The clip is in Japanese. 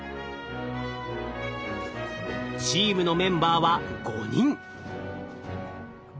チームのメンバーは５人。